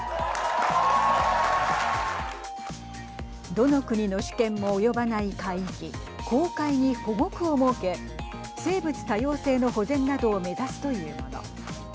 どの国の主権も及ばない海域公海に保護区を設け生物多様性の保全などを目指すというもの。